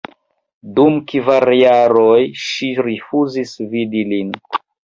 Dum kvar jaroj ŝi rifuzis vidi lin.